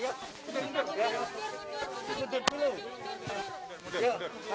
ya atau mundur dulu mbak